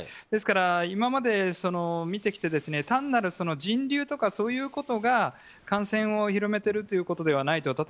ですから、今まで見てきて単なる人流とかそういうことが感染を広めているということではないと。